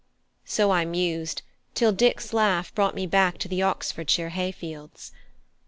So I mused till Dick's laugh brought me back into the Oxfordshire hay fields.